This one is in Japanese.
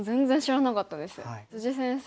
先生